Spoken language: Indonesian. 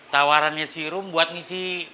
tawarannya si rum buat ngisi